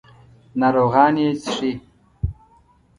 ناروغان یې څښي.